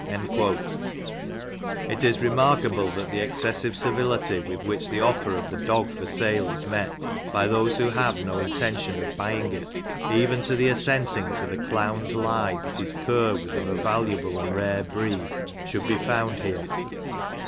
^* It is remarkable that the excessive civility with which the offer of the dog for sale is met by those who have no intention of buying it, even to the assenting to the clown'^s lie that his cur was of a valuable and rare breed, should be found here.